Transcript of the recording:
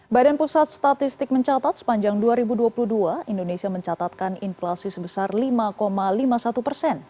badan pusat statistik mencatat sepanjang dua ribu dua puluh dua indonesia mencatatkan inflasi sebesar lima lima puluh satu persen